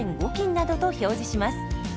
斤などと表示します。